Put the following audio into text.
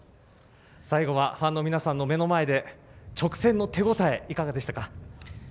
最後はファンの皆さんの目の前で直線の手応え、いかがでしたか？